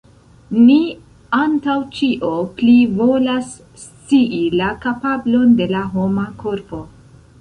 Ni antaŭ ĉio plivolas scii la kapablon de la homa korpo.